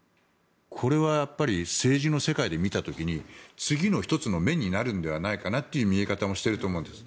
これはやっぱり政治の世界で見た時に次の１つの目になるのではないかという見え方もしていると思うんです。